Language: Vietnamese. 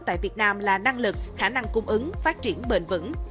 tại việt nam là năng lực khả năng cung ứng phát triển bền vững